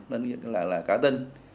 nên nghĩa là là cả tinh